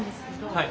はい。